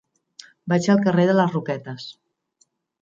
Vaig al carrer de les Roquetes.